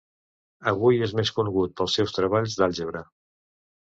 Avui és més conegut pels seus treballs d'àlgebra.